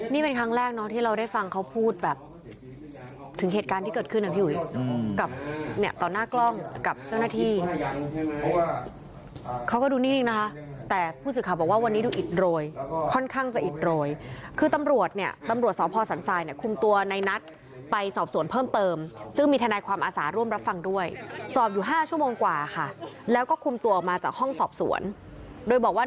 นี้เป็นครั้งแรกที่เราได้ฟังเขาพูดแบบถึงเหตุการณ์ที่เกิดขึ้นน่ะพี่หุยกับเนี่ยตอนหน้ากล้องกับเจ้าหน้าที่เกิดขึ้นน่ะพี่หุยกับเนี่ยตอนหน้ากล้องกับเจ้าหน้าที่เกิดขึ้นน่ะพี่หุยกับเนี่ยตอนหน้าที่เกิดขึ้นน่ะพี่หุยกับเนี่ยตอนหน้ากล้องกับเจ้าหน้าที่เกิดขึ้นน่ะพี่หุยกับเนี่ยตอนหน้ากล